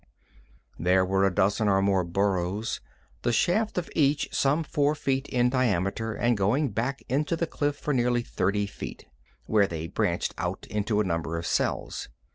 There were a dozen or more burrows, the shaft of each some four feet in diameter and going back into the cliff for nearly thirty feet, where they branched out into a number of cells.